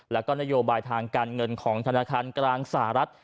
แล้วก็นโยบายทางการเงินของธนาคารกลางสหรัฐ